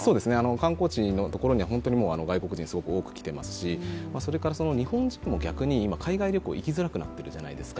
観光地のところには本当に外国人すごく多くなっていますしそれから日本人も逆に今海外旅行行きづらくなっているじゃないですか